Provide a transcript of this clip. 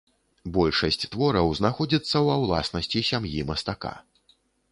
Большасць твораў знаходзіцца ва ўласнасці сям'і мастака.